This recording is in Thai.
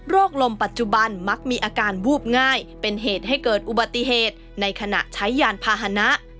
ลมปัจจุบันมักมีอาการวูบง่ายเป็นเหตุให้เกิดอุบัติเหตุในขณะใช้ยานพาหนะ